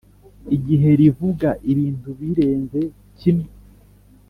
igihe rivuga ibintu birenze kimwe